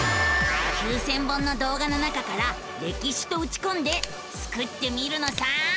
９，０００本の動画の中から「歴史」とうちこんでスクってみるのさ！